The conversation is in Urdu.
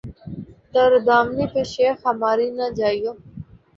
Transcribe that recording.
''تر دامنی پہ شیخ ہماری نہ جائیو